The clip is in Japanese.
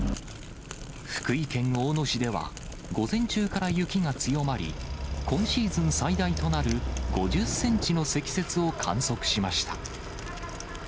福井県大野市では、午前中から雪が強まり、今シーズン最大となる５０センチの積雪を観測しました。